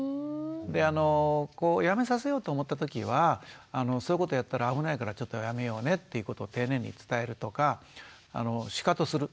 であのやめさせようと思ったときはそういうことやったら危ないからちょっとやめようねっていうことを丁寧に伝えるとかしかとする。